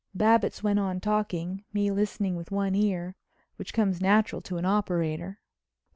Babbitts went on talking, me listening with one ear—which comes natural to an operator.